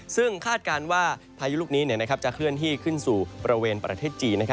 ซึ่งคาดการณ์ว่าพายุลูกนี้จะเคลื่อนที่ขึ้นสู่บริเวณประเทศจีน